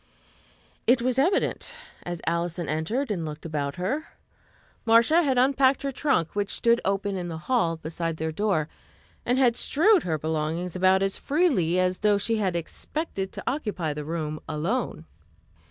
It was evident, as Alison entered and looked about her. Marcia had unpacked her trunk, which stood open in the hall beside their door, and had strewed her belongings about as freely as though she had expected to occupy the room alone.